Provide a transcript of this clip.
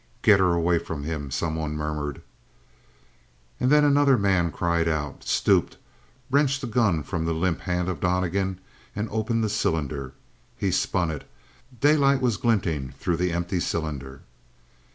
"Get her away from him," someone murmured. And then another man cried out, stooped, wrenched the gun from the limp hand of Donnegan and opened the cylinder. He spun it: daylight was glittering through the empty cylinder.